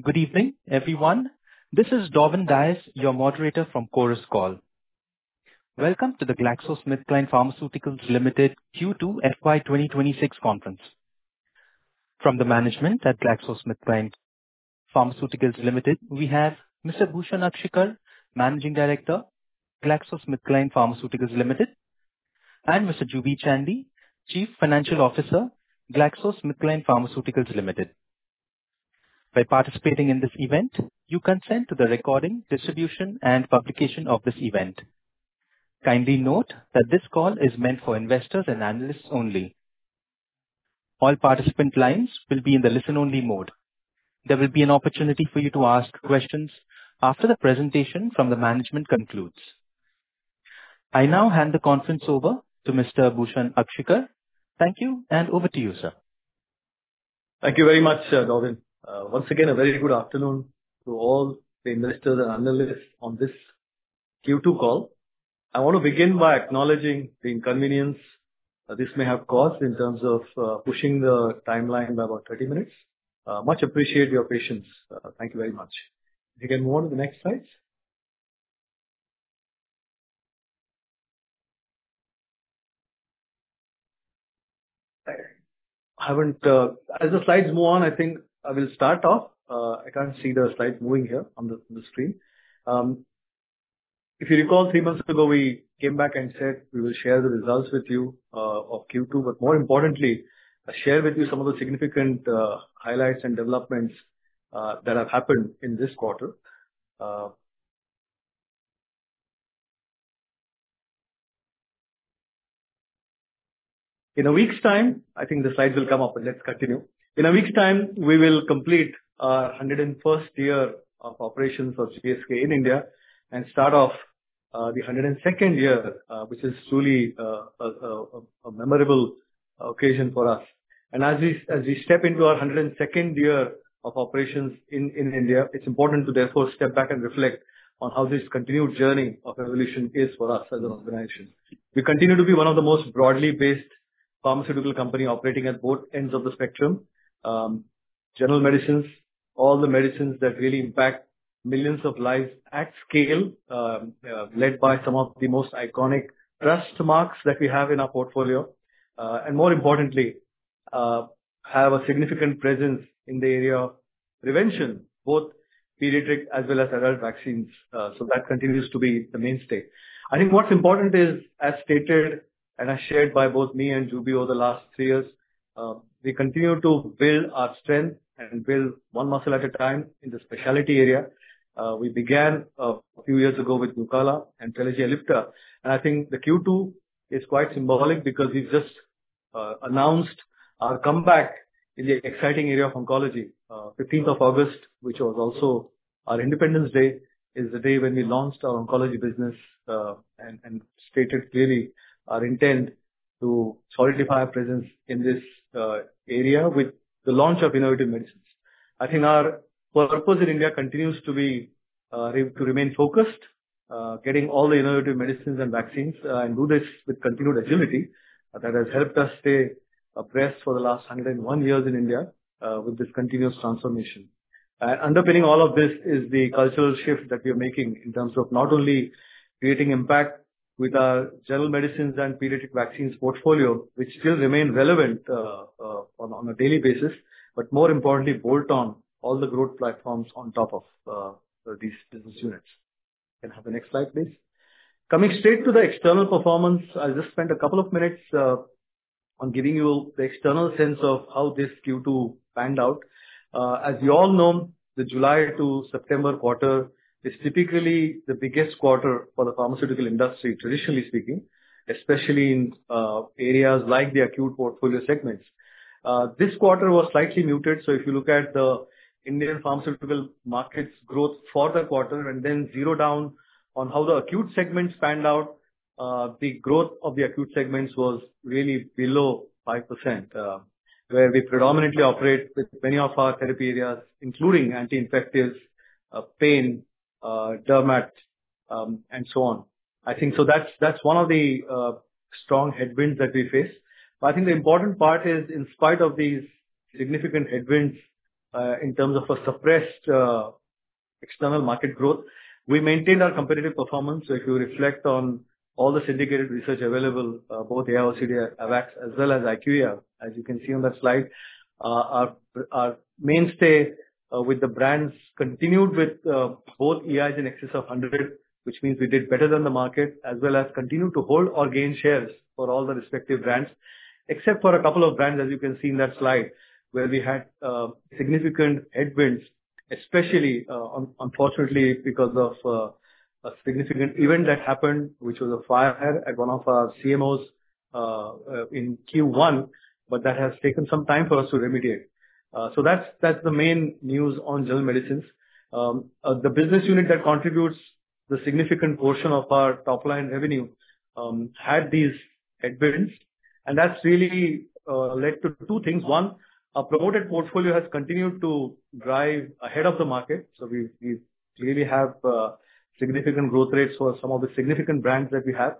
Hey, good evening, everyone. This is Darwin Dias, your moderator from Chorus Call. Welcome to the GlaxoSmithKline Pharmaceuticals Limited Q2 FY 2025 conference. From the management at GlaxoSmithKline Pharmaceuticals Limited, we have Mr. Bhushan Akshikar, Managing Director, GlaxoSmithKline Pharmaceuticals Limited, and Mr. Juby Chandy, Chief Financial Officer, GlaxoSmithKline Pharmaceuticals Limited. By participating in this event, you consent to the recording, distribution, and publication of this event. Kindly note that this call is meant for investors and analysts only. All participant lines will be in the listen-only mode. There will be an opportunity for you to ask questions after the presentation from the management concludes. I now hand the conference over to Mr. Bhushan Akshikar. Thank you, and over to you, sir. Thank you very much, Darwin. Once again, a very good afternoon to all the investors and analysts on this Q2 call. I want to begin by acknowledging the inconvenience this may have caused in terms of pushing the timeline by about 30 minutes. Much appreciated your patience. Thank you very much. If you can move on to the next slides. As the slides move on, I think I will start off. I can't see the slides moving here on the screen. If you recall, three months ago, we came back and said we will share the results with you of Q2, but more importantly, share with you some of the significant highlights and developments that have happened in this quarter. In a week's time, I think the slides will come up, but let's continue. In a week's time, we will complete our 101st year of operations of GSK in India and start off the 102nd year, which is truly a memorable occasion for us, and as we step into our 102nd year of operations in India, it's important to therefore step back and reflect on how this continued journey of evolution is for us as an organization. We continue to be one of the most broadly based pharmaceutical companies operating at both ends of the spectrum: General Medicines, all the medicines that really impact millions of lives at scale, led by some of the most iconic trust marks that we have in our portfolio, and more importantly, have a significant presence in the area of prevention, both pediatric as well as adult vaccines, so that continues to be the mainstay. I think what's important is, as stated and as shared by both me and Juby over the last three years, we continue to build our strength and build one muscle at a time in the specialty area. We began a few years ago with Nucala and Trelegy Ellipta. I think the Q2 is quite symbolic because we've just announced our comeback in the exciting area of oncology. 15th of August, which was also our Independence Day, is the day when we launched our oncology business and stated clearly our intent to solidify our presence in this area with the launch of innovative medicines. I think our purpose in India continues to be to remain focused, getting all the innovative medicines and vaccines, and do this with continued agility that has helped us stay abreast for the last 101 years in India with this continuous transformation. Underpinning all of this is the cultural shift that we are making in terms of not only creating impact with our general medicines and pediatric vaccines portfolio, which still remain relevant on a daily basis, but more importantly, bolt on all the growth platforms on top of these business units. Can I have the next slide, please? Coming straight to the external performance, I just spent a couple of minutes on giving you the external sense of how this Q2 panned out. As you all know, the July to September quarter is typically the biggest quarter for the pharmaceutical industry, traditionally speaking, especially in areas like the acute portfolio segments. This quarter was slightly muted. So if you look at the Indian pharmaceutical market's growth for the quarter and then drill down on how the acute segments panned out, the growth of the acute segments was really below 5%, where we predominantly operate with many of our therapy areas, including anti-infectives, pain, dermat, and so on. I think so that's one of the strong headwinds that we face. But I think the important part is, in spite of these significant headwinds in terms of a suppressed external market growth, we maintained our competitive performance. If you reflect on all the syndicated research available, both AIOCD AWACS, as well as IQVIA, as you can see on that slide, our mainstay with the brands continued with both EIs in excess of 100, which means we did better than the market, as well as continued to hold or gain shares for all the respective brands, except for a couple of brands, as you can see in that slide, where we had significant headwinds, especially unfortunately because of a significant event that happened, which was a fire at one of our CMOs in Q1, but that has taken some time for us to remediate. That's the main news on general medicines. The business unit that contributes the significant portion of our top-line revenue had these headwinds. That's really led to two things. One, our promoted portfolio has continued to drive ahead of the market. We clearly have significant growth rates for some of the significant brands that we have.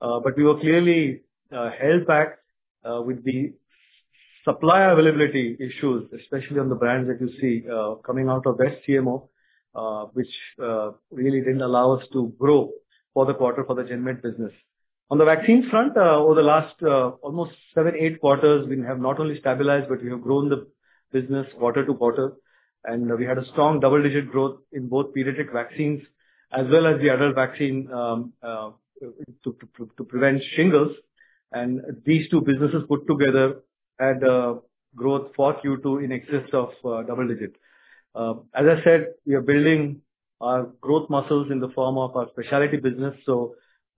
But we were clearly held back with the supply availability issues, especially on the brands that you see coming out of that CMO, which really didn't allow us to grow for the quarter for the gen med business. On the vaccine front, over the last almost seven, eight quarters, we have not only stabilized, but we have grown the business quarter to quarter. We had a strong double-digit growth in both pediatric vaccines as well as the adult vaccine to prevent shingles. These two businesses put together had growth for Q2 in excess of double-digit. As I said, we are building our growth muscles in the form of our specialty business.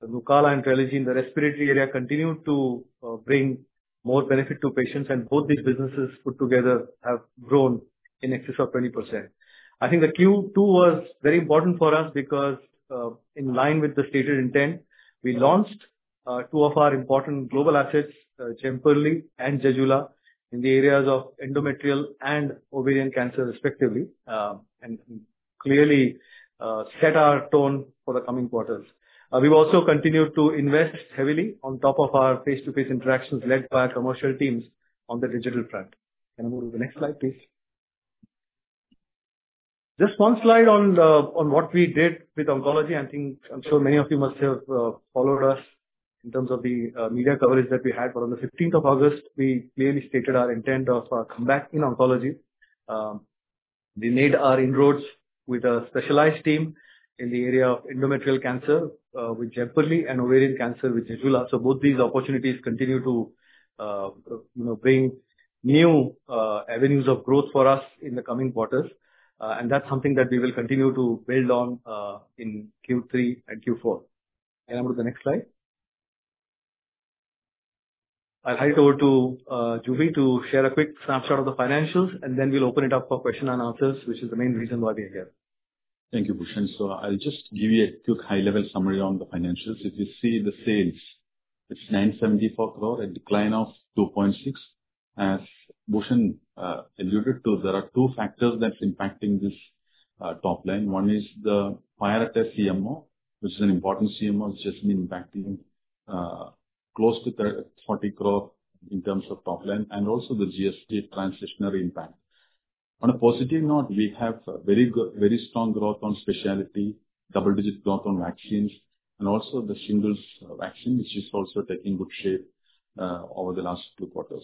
Nucala and Trelegy in the respiratory area continue to bring more benefit to patients. Both these businesses put together have grown in excess of 20%. I think the Q2 was very important for us because in line with the stated intent, we launched two of our important global assets, Jemperli and Zejula, in the areas of endometrial and ovarian cancer, respectively, and clearly set our tone for the coming quarters. We've also continued to invest heavily on top of our face-to-face interactions led by commercial teams on the digital front. Can I move to the next slide, please? Just one slide on what we did with oncology. I think I'm sure many of you must have followed us in terms of the media coverage that we had, but on the 15th of August, we clearly stated our intent of our comeback in oncology. We made our inroads with a specialized team in the area of endometrial cancer with Jemperli and ovarian cancer with Zejula, so both these opportunities continue to bring new avenues of growth for us in the coming quarters, and that's something that we will continue to build on in Q3 and Q4. Can I move to the next slide? I'll hand it over to Juby to share a quick snapshot of the financials, and then we'll open it up for question and answers, which is the main reason why we are here. Thank you, Bhushan. So I'll just give you a quick high-level summary on the financials. If you see the sales, it's 974 crore at a decline of 2.6%. As Bhushan alluded to, there are two factors that are impacting this top line. One is the fire at the CMO, which is an important CMO, which has been impacting close to 40 crore in terms of top line, and also the GSK transitory impact. On a positive note, we have very strong growth on specialty, double-digit growth on vaccines, and also the shingles vaccine, which is also taking good shape over the last few quarters,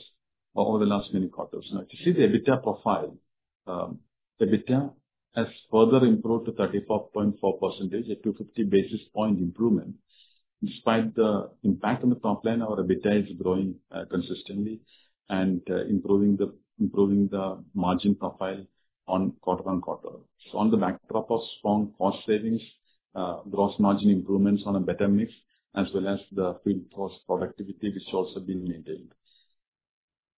over the last many quarters. Now, to see the EBITDA profile, EBITDA has further improved to 34.4%, a 250 basis point improvement. Despite the impact on the top line, our EBITDA is growing consistently and improving the margin profile on quarter on quarter. So on the backdrop of strong cost savings, gross margin improvements on a better mix, as well as the field cost productivity, which has also been maintained.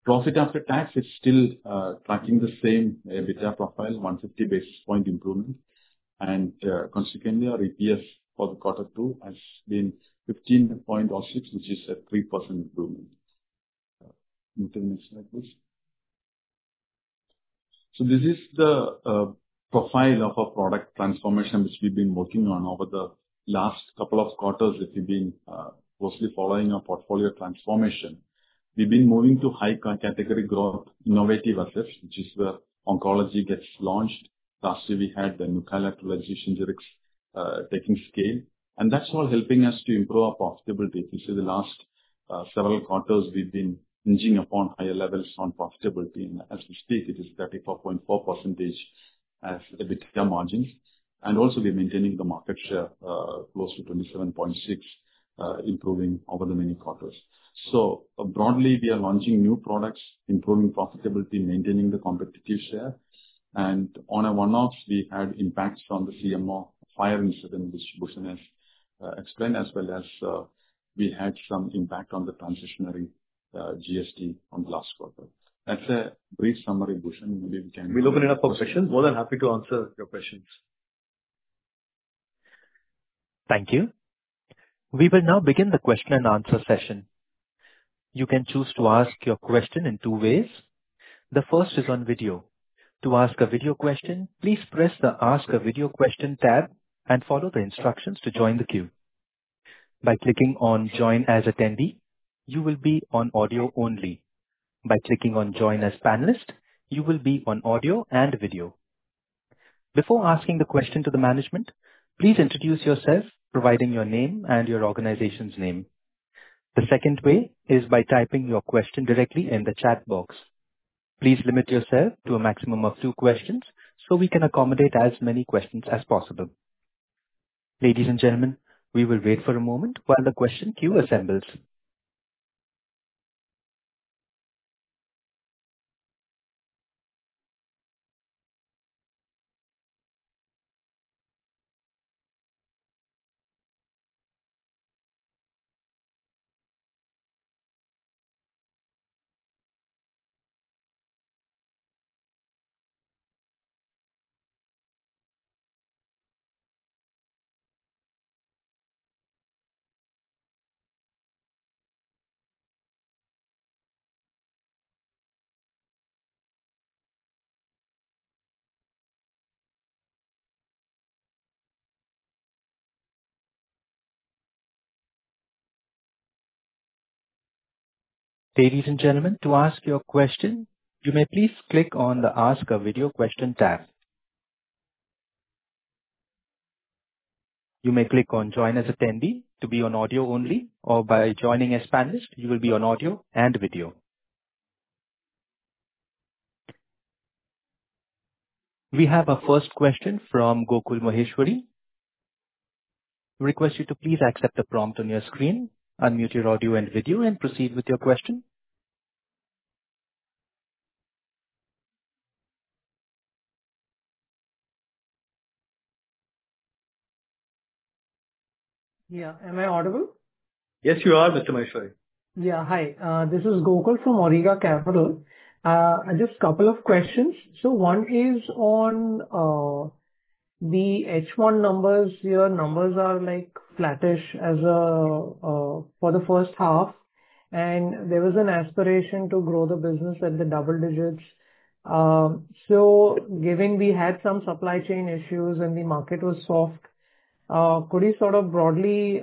Profit after tax is still tracking the same EBITDA profile, 150 basis points improvement. And consequently, our EPS for the quarter two has been 15.06, which is a 3% improvement. So this is the profile of our product transformation, which we've been working on over the last couple of quarters. If you've been closely following our portfolio transformation, we've been moving to high category growth innovative assets, which is where oncology gets launched. Last year, we had the Nucala autoinjectors taking scale. And that's all helping us to improve our profitability. You see, the last several quarters, we've been hinging upon higher levels on profitability. And as we speak, it is 34.4% as EBITDA margins. And also, we're maintaining the market share close to 27.6%, improving over the many quarters. So broadly, we are launching new products, improving profitability, maintaining the competitive share. And on our one-offs, we had impacts on the CMO fire incident, which Bhushan has explained, as well as we had some impact on the transitory GSK on the last quarter. That's a brief summary, Bhushan. Maybe we can. We'll open it up for questions. More than happy to answer your questions. Thank you. We will now begin the question and answer session. You can choose to ask your question in two ways. The first is on video. To ask a video question, please press the Ask a Video Question tab and follow the instructions to join the queue. By clicking on Join as Attendee, you will be on audio only. By clicking on Join as Panelist, you will be on audio and video. Before asking the question to the management, please introduce yourself, providing your name and your organization's name. The second way is by typing your question directly in the chat box. Please limit yourself to a maximum of two questions so we can accommodate as many questions as possible. Ladies and gentlemen, we will wait for a moment while the question queue assembles. Ladies and gentlemen, to ask your question, you may please click on the Ask a Video Question tab. You may click on Join as Attendee to be on audio only, or by joining as panelist, you will be on audio and video. We have a first question from Gokul Maheshwari. We request you to please accept the prompt on your screen, unmute your audio and video, and proceed with your question. Yeah. Am I audible? Yes, you are, Mr. Maheshwari. Yeah. Hi. This is Gokul from Auriga Capital. Just a couple of questions. So one is on the H1 numbers. Your numbers are like flattish for the first half. And there was an aspiration to grow the business at the double digits. So given we had some supply chain issues and the market was soft, could you sort of broadly,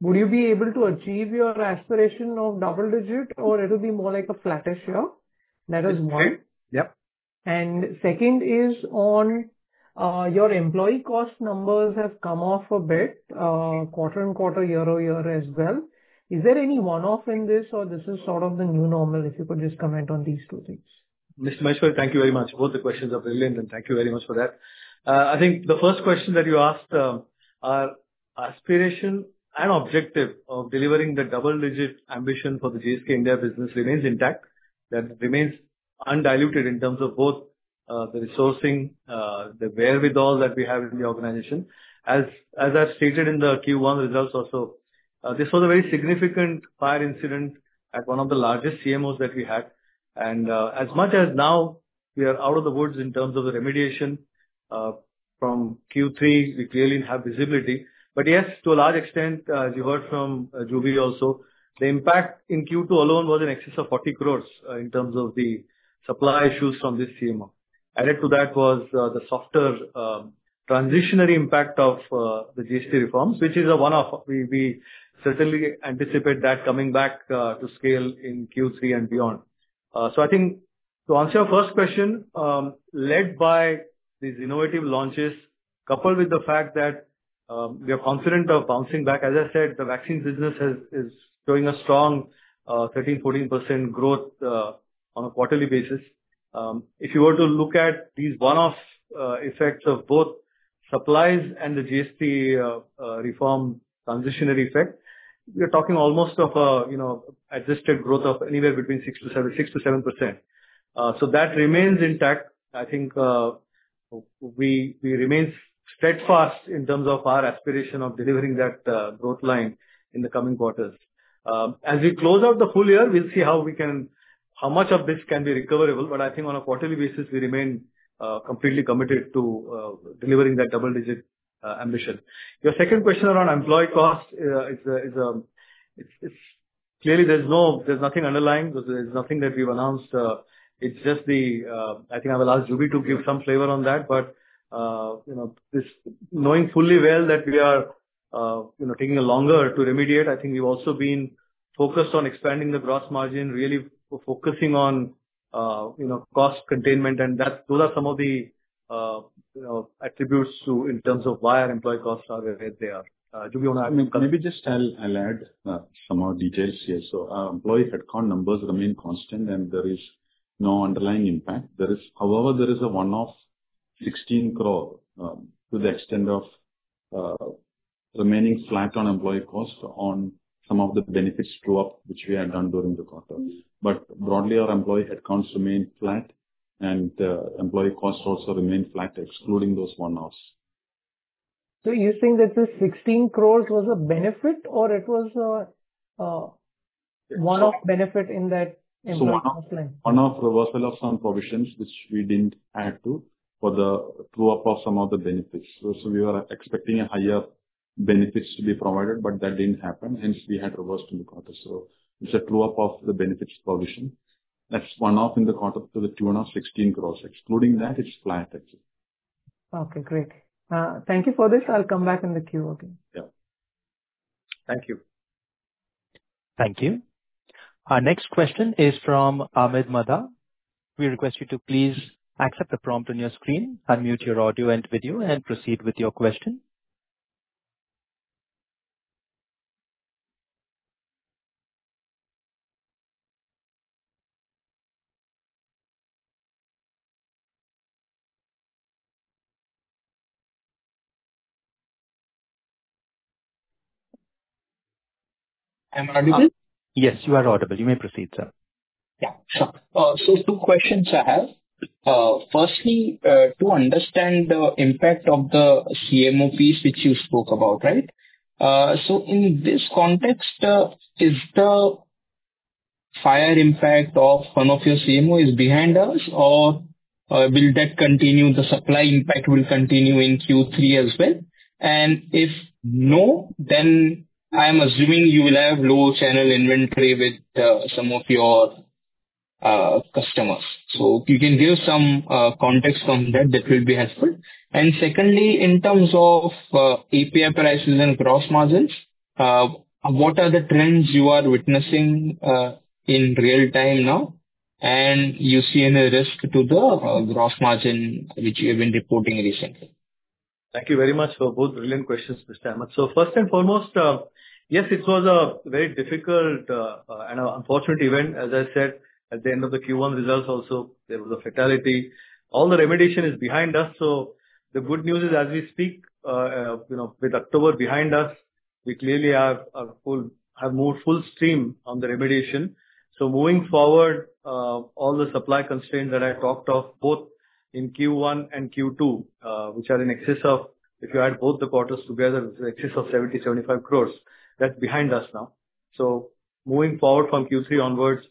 would you be able to achieve your aspiration of double digit, or it'll be more like a flattish here? That is one. Okay. Yep. And second is on your employee cost numbers have come off a bit, quarter and quarter, year over year as well. Is there any one-off in this, or this is sort of the new normal? If you could just comment on these two things. Mr. Maheshwari, thank you very much. Both the questions are brilliant, and thank you very much for that. I think the first question that you asked, our aspiration and objective of delivering the double-digit ambition for the GSK India business remains intact. That remains undiluted in terms of both the resourcing, the wherewithal that we have in the organization. As I've stated in the Q1 results also, this was a very significant fire incident at one of the largest CMOs that we had. And as much as now we are out of the woods in terms of the remediation from Q3, we clearly have visibility. But yes, to a large extent, as you heard from Juby also, the impact in Q2 alone was in excess of 40 crore in terms of the supply issues from this CMO. Added to that was the softer transitory impact of the GSK reforms, which is a one-off. We certainly anticipate that coming back to scale in Q3 and beyond. So I think to answer your first question, led by these innovative launches, coupled with the fact that we are confident of bouncing back, as I said, the vaccine business is showing a strong 13%-14% growth on a quarterly basis. If you were to look at these one-off effects of both supplies and the GSK reform transitory effect, we are talking almost of an adjusted growth of anywhere between 6%-7%. So that remains intact. I think we remain steadfast in terms of our aspiration of delivering that growth line in the coming quarters. As we close out the full year, we'll see how much of this can be recoverable. But I think on a quarterly basis, we remain completely committed to delivering that double-digit ambition. Your second question around employee cost, it's clearly there's nothing underlying. There's nothing that we've announced. It's just the, I think I will ask Juby to give some flavor on that. But knowing fully well that we are taking a longer to remediate, I think we've also been focused on expanding the gross margin, really focusing on cost containment. And those are some of the attributes in terms of why our employee costs are where they are. Juby, you want to add? Maybe just I'll add some more details here. So our employee headcount numbers remain constant, and there is no underlying impact. However, there is a one-off 16 crore to the extent of remaining flat on employee cost on some of the benefits throughout, which we had done during the quarter. But broadly, our employee headcounts remain flat, and employee costs also remain flat, excluding those one-offs. So you think that the 16 crores was a benefit, or it was a one-off benefit in that impact line? One-off reversal of some provisions, which we didn't add to for the true-up of some of the benefits. So we were expecting higher benefits to be provided, but that didn't happen. Hence, we had reversed in the quarter. So it's a true-up of the benefits provision. That's one-off in the quarter to the tune of 16 crores. Excluding that, it's flat. Okay. Great. Thank you for this. I'll come back in the queue again. Yeah. Thank you. Thank you. Our next question is from Ahmed Madha. We request you to please accept the prompt on your screen, unmute your audio and video, and proceed with your question. Am I audible? Yes, you are audible. You may proceed, sir. Yeah. Sure. So two questions I have. Firstly, to understand the impact of the CMO piece which you spoke about, right? So in this context, is the prior impact of one of your CMOs behind us, or will that continue? The supply impact will continue in Q3 as well? And if not, then I'm assuming you will have low channel inventory with some of your customers. So you can give some context on that. That will be helpful. And secondly, in terms of API prices and gross margins, what are the trends you are witnessing in real time now? And you see any risk to the gross margin which you have been reporting recently? Thank you very much for both brilliant questions, Mr. Ahmed. So first and foremost, yes, it was a very difficult and unfortunate event, as I said, at the end of the Q1 results also. There was a fatality. All the remediation is behind us. So the good news is, as we speak, with October behind us, we clearly have more full steam on the remediation. So moving forward, all the supply constraints that I talked of, both in Q1 and Q2, which are in excess of, if you add both the quarters together, it's in excess of 70-75 crore. That's behind us now. So moving forward from Q3 onwards,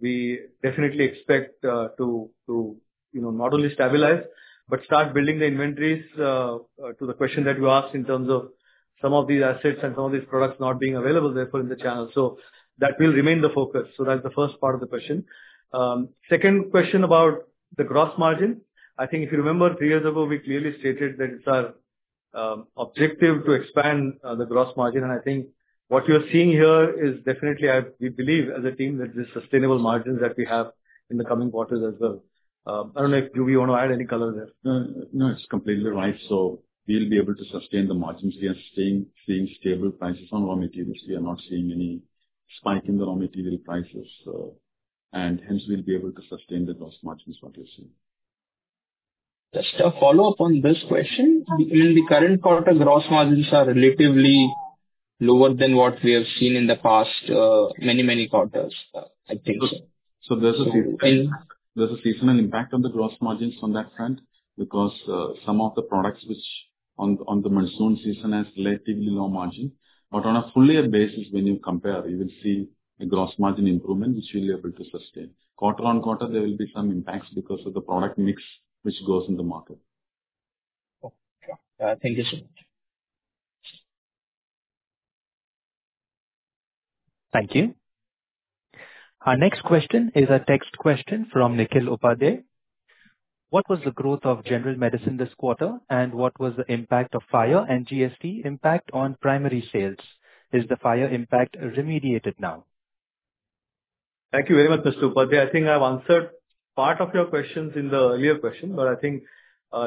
we definitely expect to not only stabilize, but start building the inventories to the question that you asked in terms of some of these assets and some of these products not being available therefore in the channel. So that will remain the focus. So that's the first part of the question. Second question about the gross margin. I think if you remember, three years ago, we clearly stated that it's our objective to expand the gross margin. And I think what you're seeing here is definitely, we believe as a team, that this sustainable margins that we have in the coming quarters as well. I don't know if Juby want to add any color there. No, it's completely right. So we'll be able to sustain the margins. We are seeing stable prices on raw materials. We are not seeing any spike in the raw material prices. And hence, we'll be able to sustain the gross margins what you're seeing. Just a follow-up on this question. In the current quarter, gross margins are relatively lower than what we have seen in the past many, many quarters, I think so. So there's a seasonal impact on the gross margins on that front because some of the products which on the monsoon season has relatively low margin. But on a full year basis, when you compare, you will see a gross margin improvement, which we'll be able to sustain. Quarter on quarter, there will be some impacts because of the product mix which goes in the market. Okay. Thank you so much. Thank you. Our next question is a text question from Nikhil Upadhyay. What was the growth of general medicine this quarter, and what was the impact of fire and GSK impact on primary sales? Is the fire impact remediated now? Thank you very much, Mr. Upadhyay. I think I've answered part of your questions in the earlier question, but I think,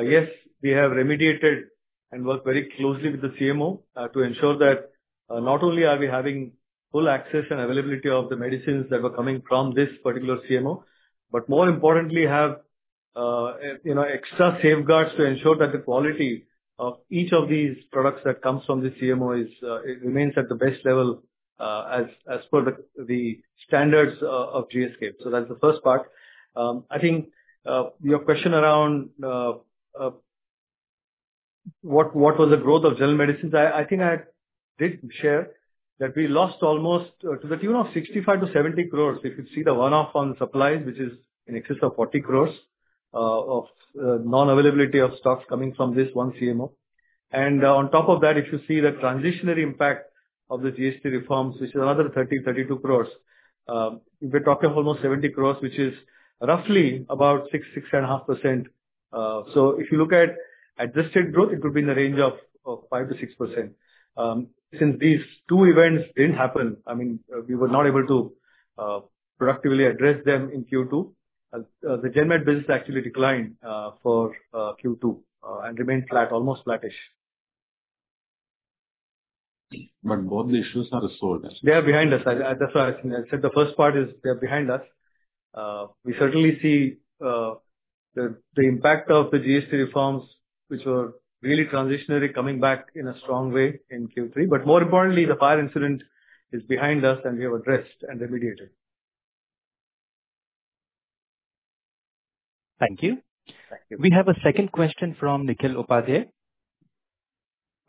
yes, we have remediated and worked very closely with the CMO to ensure that not only are we having full access and availability of the medicines that were coming from this particular CMO, but more importantly, have extra safeguards to ensure that the quality of each of these products that comes from the CMO remains at the best level as per the standards of GSK. So that's the first part. I think your question around what was the growth of general medicines, I think I did share that we lost almost to the tune of 65-70 crore. If you see the one-off on supplies, which is in excess of 40 crore of non-availability of stocks coming from this one CMO. On top of that, if you see the transitory impact of the GSK reforms, which is another 30-32 crores, we're talking of almost 70 crores, which is roughly about 6-6.5%. If you look at adjusted growth, it would be in the range of 5-6%. Since these two events didn't happen, I mean, we were not able to productively address them in Q2. The gen med business actually declined for Q2 and remained flat, almost flattish. But both the issues are resolved. They are behind us. That's why I said the first part is they are behind us. We certainly see the impact of the GSK reforms, which were really transitory, coming back in a strong way in Q3. But more importantly, the fire incident is behind us, and we have addressed and remediated. Thank you. We have a second question from Nikhil Upadhyay.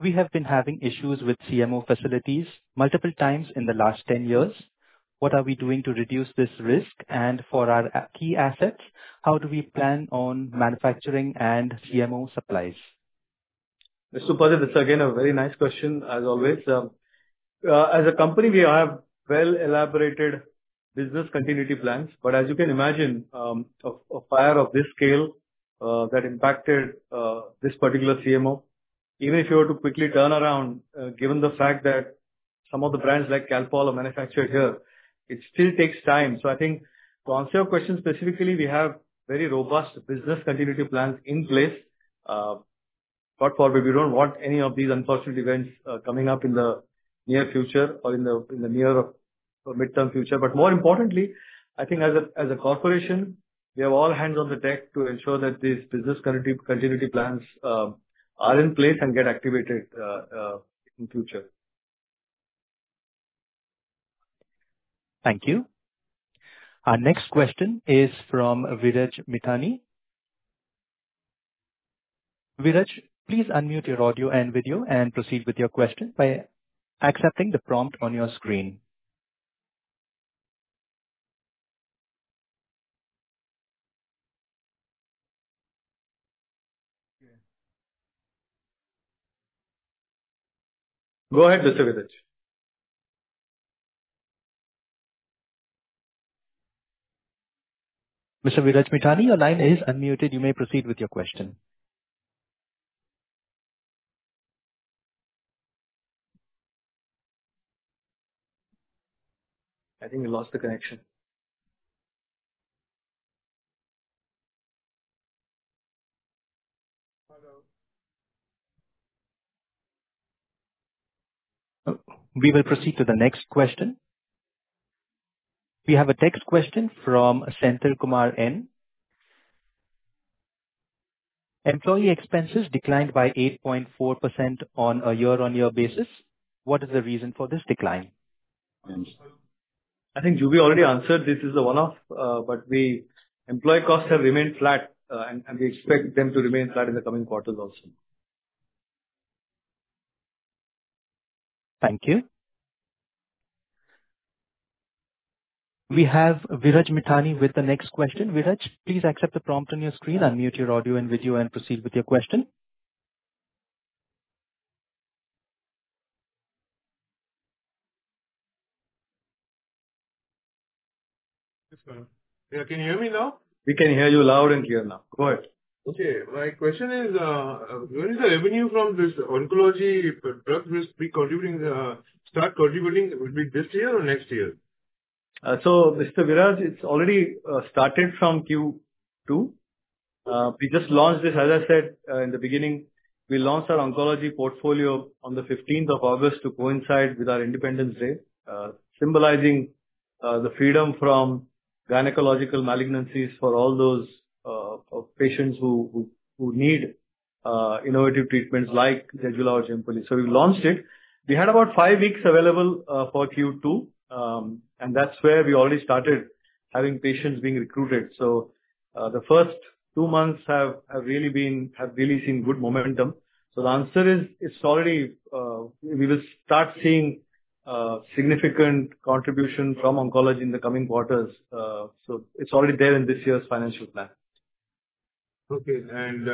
We have been having issues with CMO facilities multiple times in the last 10 years. What are we doing to reduce this risk? And for our key assets, how do we plan on manufacturing and CMO supplies? Mr. Upadhyay, that's again a very nice question, as always. As a company, we have well-elaborated business continuity plans. But as you can imagine, a fire of this scale that impacted this particular CMO, even if you were to quickly turn around, given the fact that some of the brands like Calpol are manufactured here, it still takes time. So I think to answer your question specifically, we have very robust business continuity plans in place. But we don't want any of these unfortunate events coming up in the near future or in the near or midterm future. But more importantly, I think as a corporation, we have all hands on the deck to ensure that these business continuity plans are in place and get activated in the future. Thank you. Our next question is from Viraj Mithani. Viraj, please unmute your audio and video and proceed with your question by accepting the prompt on your screen. Go ahead, Mr. Viraj. Mr. Viraj Mithani, your line is unmuted. You may proceed with your question. I think we lost the connection. We will proceed to the next question. We have a text question from Senthil Kumar N. Employee expenses declined by 8.4% on a year-on-year basis. What is the reason for this decline? Hence. I think Juby already answered. This is a one-off, but employee costs have remained flat, and we expect them to remain flat in the coming quarters also. Thank you. We have Viraj Mithani with the next question. Viraj, please accept the prompt on your screen, unmute your audio and video, and proceed with your question. Yes, sir. Can you hear me now? We can hear you loud and clear now. Go ahead. Okay. My question is, where is the revenue from this oncology drug basket start contributing? Will it be this year or next year? So Mr. Viraj, it's already started from Q2. We just launched this, as I said in the beginning. We launched our oncology portfolio on the 15th of August to coincide with our Independence Day, symbolizing the freedom from gynecological malignancies for all those patients who need innovative treatments like Zejula or Jemperli. So we launched it. We had about five weeks available for Q2, and that's where we already started having patients being recruited. So the first two months have really seen good momentum. So the answer is, it's already we will start seeing significant contribution from oncology in the coming quarters. So it's already there in this year's financial plan. Okay. And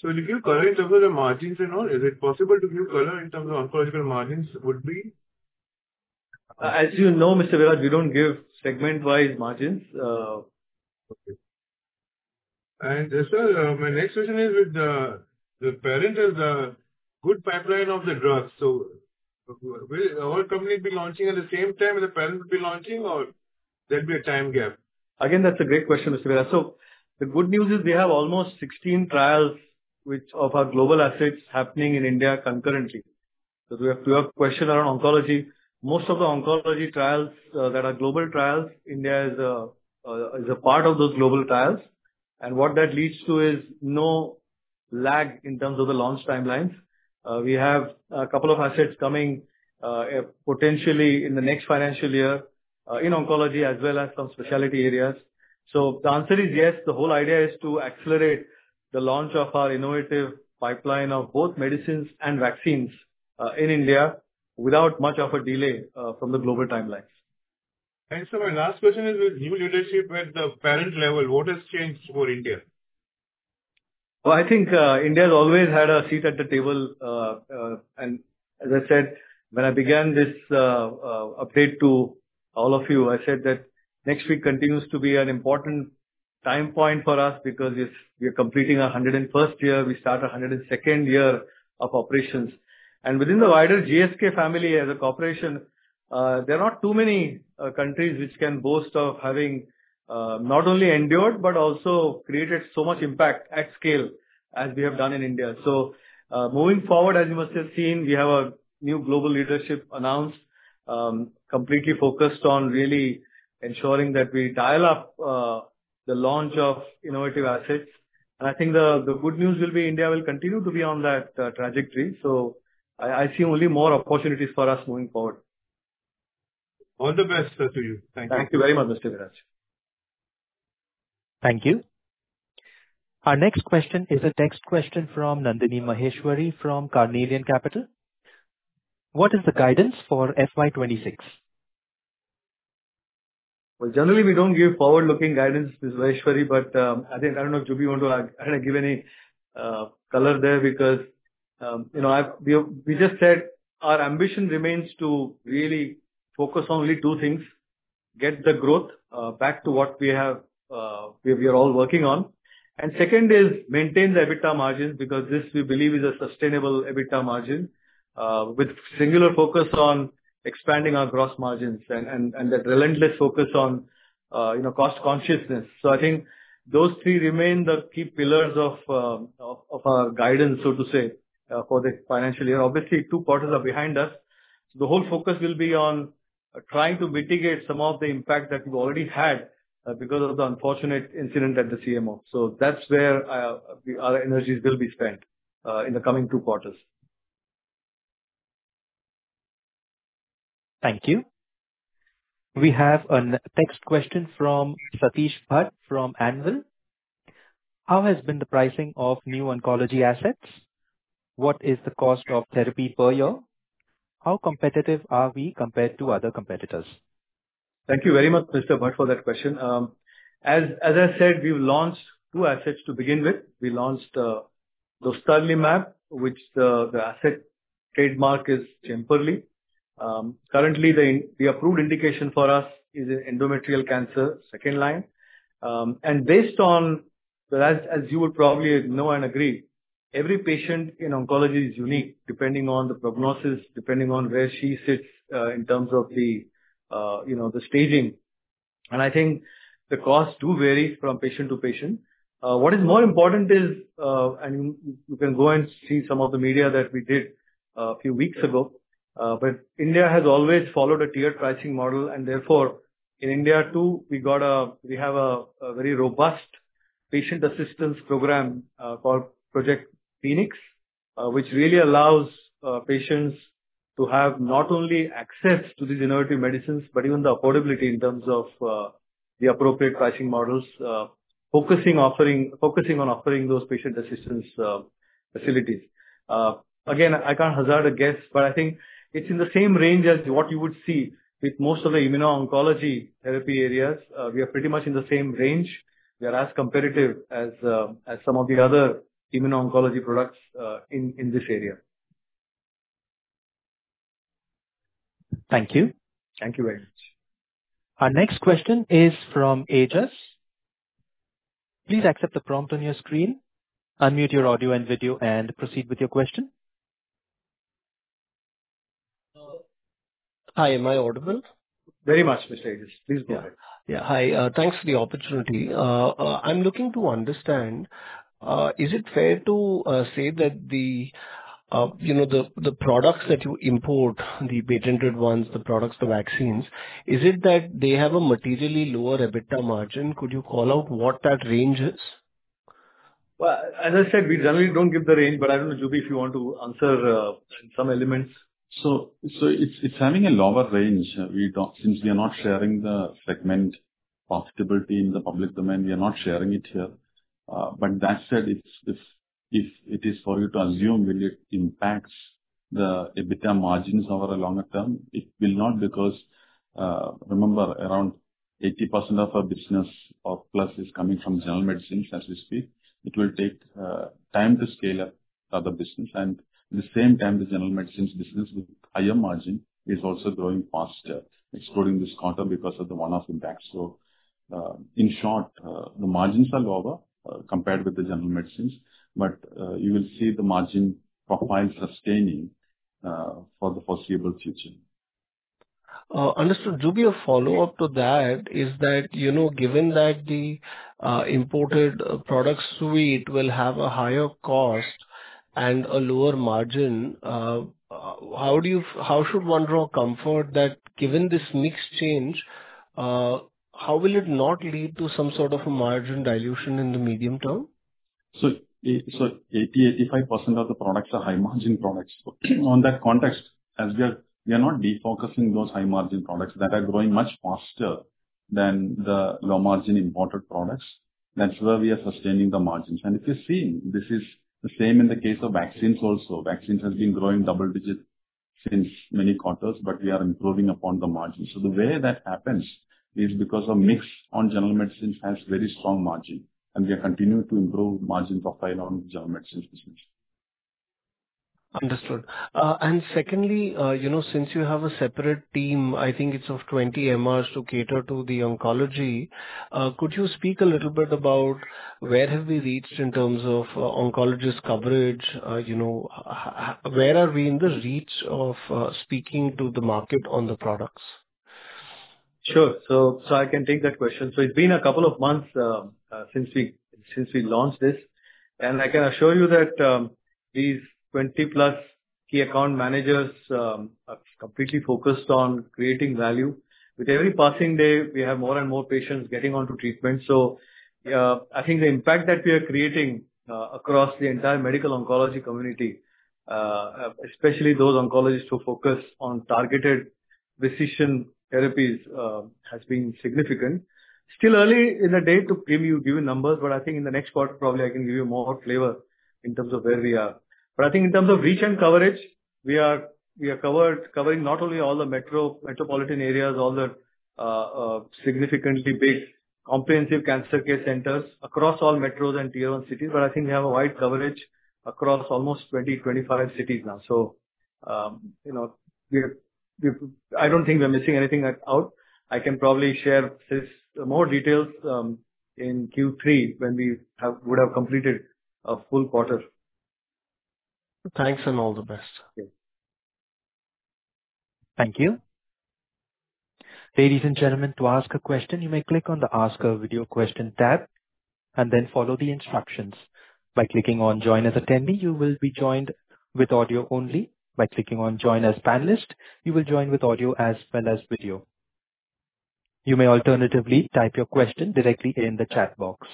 so did you color in terms of the margins and all? Is it possible to give color in terms of oncological margins would be? As you know, Mr. Viraj, we don't give segment-wise margins. Okay. And sir, my next question is, with the parent and the good pipeline of the drugs, so will our company be launching at the same time as the parent will be launching, or there'll be a time gap? Again, that's a great question, Mr. Viraj. So the good news is we have almost 16 trials of our global assets happening in India concurrently. So we have a few questions around oncology. Most of the oncology trials that are global trials, India is a part of those global trials. And what that leads to is no lag in terms of the launch timelines. We have a couple of assets coming potentially in the next financial year in oncology as well as some specialty areas. So the answer is yes. The whole idea is to accelerate the launch of our innovative pipeline of both medicines and vaccines in India without much of a delay from the global timelines. Sir, my last question is with new leadership at the parent level, what has changed for India? I think India has always had a seat at the table. As I said, when I began this update to all of you, I said that next week continues to be an important time point for us because we are completing our 101st year. We start our 102nd year of operations. Within the wider GSK family as a corporation, there are not too many countries which can boast of having not only endured but also created so much impact at scale as we have done in India. Moving forward, as you must have seen, we have a new global leadership announced, completely focused on really ensuring that we dial up the launch of innovative assets. I think the good news will be India will continue to be on that trajectory. I see only more opportunities for us moving forward. All the best to you. Thank you. Thank you very much, Mr. Viraj. Thank you. Our next question is a text question from Nandini Maheshwari from Carnelian Capital. What is the guidance for FY26? Generally, we don't give forward-looking guidance, Ms. Maheshwari, but I don't know if Juby want to kind of give any color there because we just said our ambition remains to really focus on only two things: get the growth back to what we are all working on, and second is maintain the EBITDA margin because this we believe is a sustainable EBITDA margin with singular focus on expanding our gross margins and that relentless focus on cost consciousness. I think those three remain the key pillars of our guidance, so to say, for the financial year. Obviously, two quarters are behind us. The whole focus will be on trying to mitigate some of the impact that we already had because of the unfortunate incident at the CMO. That's where our energies will be spent in the coming two quarters. Thank you. We have a text question from Satish Bhatt from Anvil. How has been the pricing of new oncology assets? What is the cost of therapy per year? How competitive are we compared to other competitors? Thank you very much, Mr. Bhatt, for that question. As I said, we've launched two assets to begin with. We launched dostarlimab, which the asset trademark is Jemperli. Currently, the approved indication for us is endometrial cancer, second line, and based on, as you would probably know and agree, every patient in oncology is unique depending on the prognosis, depending on where she sits in terms of the staging, and I think the costs do vary from patient to patient. What is more important is, and you can go and see some of the media that we did a few weeks ago, but India has always followed a tiered pricing model. And therefore, in India too, we have a very robust patient assistance program called Project Phoenix, which really allows patients to have not only access to these innovative medicines, but even the affordability in terms of the appropriate pricing models, focusing on offering those patient assistance facilities. Again, I can't hazard a guess, but I think it's in the same range as what you would see with most of the immuno-oncology therapy areas. We are pretty much in the same range. We are as competitive as some of the other immuno-oncology products in this area. Thank you. Thank you very much. Our next question is from Aejas. Please accept the prompt on your screen, unmute your audio and video, and proceed with your question. Hi. Am I audible? Very much, Mr. Aejas. Please go ahead. Yeah. Hi. Thanks for the opportunity. I'm looking to understand, is it fair to say that the products that you import, the patented ones, the products, the vaccines, is it that they have a materially lower EBITDA margin? Could you call out what that range is? As I said, we generally don't give the range, but I don't know, Juby, if you want to answer some elements. It's having a lower range since we are not sharing the segment profitability in the public domain. We are not sharing it here. But that said, if it is for you to assume when it impacts the EBITDA margins over a longer term, it will not because, remember, around 80% of our business or plus is coming from General Medicines as we speak. It will take time to scale up other business. And at the same time, the General Medicines business with higher margin is also growing faster, exploding this quarter because of the one-off impact. So in short, the margins are lower compared with the General Medicines, but you will see the margin profile sustaining for the foreseeable future. Understood. Juby, a follow-up to that is that given that the imported products suite will have a higher cost and a lower margin, how should one draw comfort that given this mixed change, how will it not lead to some sort of a margin dilution in the medium term? 80%-85% of the products are high-margin products. In that context, as we are not defocusing those high-margin products that are growing much faster than the low-margin imported products, that's where we are sustaining the margins. And if you see, this is the same in the case of vaccines also. Vaccines have been growing double-digit since many quarters, but we are improving upon the margins. The way that happens is because a mix on General Medicines has very strong margin, and we are continuing to improve margin profile on General Medicines business. Understood. And secondly, since you have a separate team, I think it's of 20 MRs to cater to the oncology, could you speak a little bit about where have we reached in terms of oncologist coverage? Where are we in the reach of speaking to the market on the products? Sure. So I can take that question. So it's been a couple of months since we launched this. And I can assure you that these 20-plus key account managers are completely focused on creating value. With every passing day, we have more and more patients getting onto treatment. So I think the impact that we are creating across the entire medical oncology community, especially those oncologists who focus on targeted precision therapies, has been significant. Still early in the day to give you numbers, but I think in the next quarter, probably I can give you more flavor in terms of where we are. But I think in terms of reach and coverage, we are covering not only all the metropolitan areas, all the significantly big comprehensive cancer care centers across all metros and tier-one cities, but I think we have a wide coverage across almost 20-25 cities now. So I don't think we're missing anything out. I can probably share more details in Q3 when we would have completed a full quarter. Thanks and all the best. Thank you. Ladies and gentlemen, to ask a question, you may click on the Ask a Video Question tab and then follow the instructions. By clicking on Join as Attendee, you will be joined with audio only. By clicking on Join as Panelist, you will join with audio as well as video. You may alternatively type your question directly in the chat box.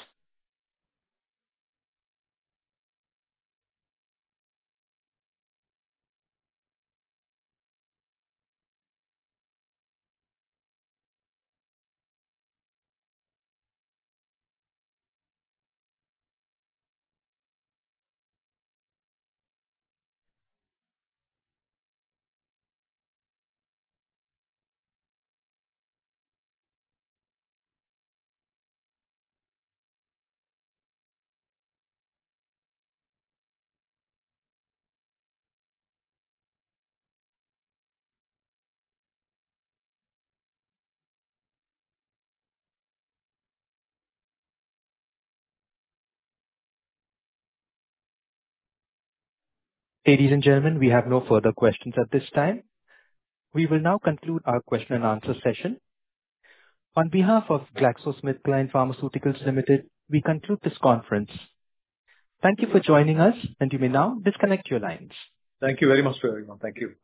Ladies and gentlemen, we have no further questions at this time. We will now conclude our question and answer session. On behalf of GlaxoSmithKline Pharmaceuticals Limited, we conclude this conference. Thank you for joining us, and you may now disconnect your lines. Thank you very much to everyone. Thank you.